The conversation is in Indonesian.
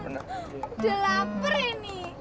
udah lapar ini